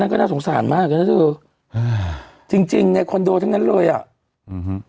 ก็น่าสงสารมากนะเธออ่าจริงจริงในคอนโดทั้งนั้นเลยอ่ะอืม